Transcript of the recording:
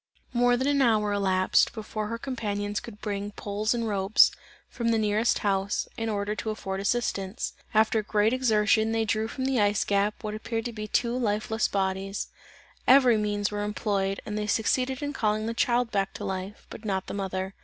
More than an hour elapsed, before her companions could bring poles and ropes, from the nearest house, in order to afford assistance. After great exertion they drew from the ice gap, what appeared to be two lifeless bodies; every means were employed and they succeeded in calling the child back to life, but not the mother.